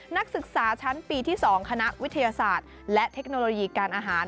นักศึกษาชั้นปีที่๒คณะวิทยาศาสตร์และเทคโนโลยีการอาหาร